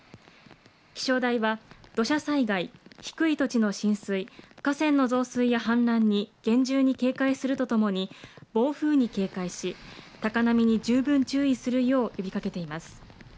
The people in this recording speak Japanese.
気象台は土砂災害、低い土地の浸水、河川の増水や氾濫に厳重に警戒するとともに、暴風に警戒し、高波に十分注意するよう呼びかけています。